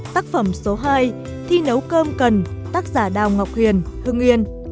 tác phẩm số hai thi nấu cơm cần tác giả đào ngọc huyền hưng yên